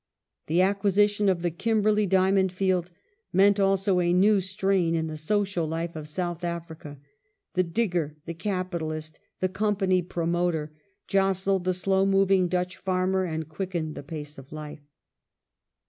The acquisition of the Kimberley diamond field meant also a new strain in the social life of South Africa. The digger, the capitalist, the company promoter jostled the slow moving Dutch farmer and quickened the pace of life."